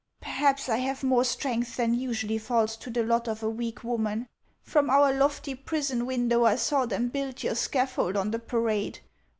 Perhaps I have more strength than usually falls to the lot of a weak woman. From our lofty prison window I saw them build your scaffold on the parade.